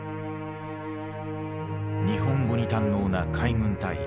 日本語に堪能な海軍大尉